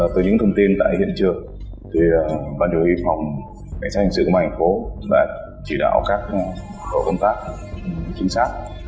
từ những thông tin tại hiện trường bản chống y phòng cảnh sát hình sự của bà điểm và g possession đã chỉ đạo các đối tượng công tác chính xác